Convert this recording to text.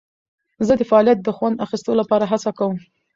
زه د فعالیت د خوند اخیستلو لپاره هڅه کوم.